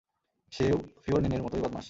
সেও ফিওরনেরের মতই বদমাশ।